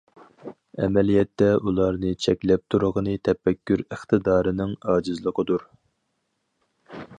ئەمەلىيەتتە ئۇلارنى چەكلەپ تۇرغىنى تەپەككۇر ئىقتىدارىنىڭ ئاجىزلىقىدۇر.